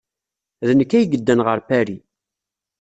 D nekk ay yeddan ɣer Paris.